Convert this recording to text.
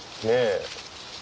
ねえ。